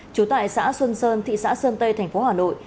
trú tại xã xuân sơn thị xã sơn tây thành phố hà nội